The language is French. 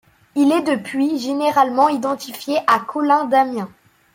Il est depuis généralement identifié à Colin d'Amiens.